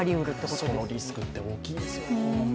そのリスクって大きいですよ。